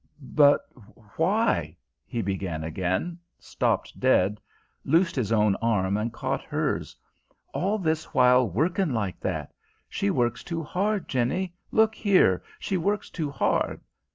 "But why " he began again; stopped dead, loosed his own arm and caught hers. "All this while workin' like that! She works too hard. Jenny, look here: she works too hard.